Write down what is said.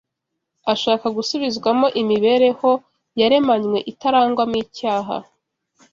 ashaka gusubizwamo imibereho yaremanywe itarangwamo icyaha.